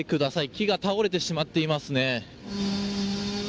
木が倒れてしまっていますね。